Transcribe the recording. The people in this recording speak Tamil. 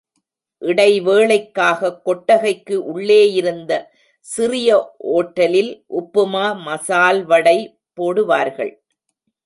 இடைவேளைக்காக கொட்டகைக்கு உள்ளேயிருந்த சிறிய ஒட்டலில் உப்புமா, மசால்வடை போடுவார்கள்.